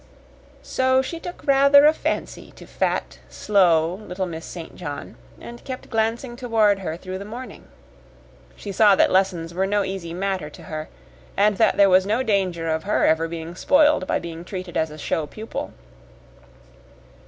So she took rather a fancy to fat, slow, little Miss St. John, and kept glancing toward her through the morning. She saw that lessons were no easy matter to her, and that there was no danger of her ever being spoiled by being treated as a show pupil.